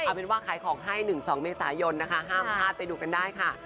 เอาเป็นว่าขายของให้๑๒เมษายนนะคะห้ามพลาดไปดูกันได้ค่ะ